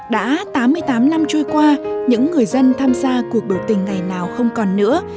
đã tám mươi tám năm trôi qua những người dân tham gia cuộc biểu tình ngày nào không còn nữa